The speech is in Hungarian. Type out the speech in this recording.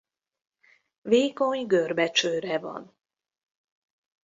Vékony görbe csőre van.